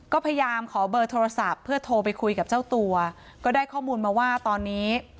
ก็พยายามขอเบอร์โทรศัพท์เพื่อโทรไปคุยกับเจ้าตัวก็ได้ข้อมูลมาว่าตอนนี้